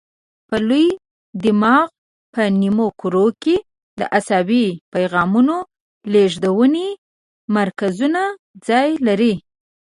په لوی دماغ په نیمو کرو کې د عصبي پیغامونو لېږدونې مرکزونه ځای لري.